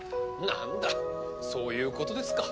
何だそういうことですか。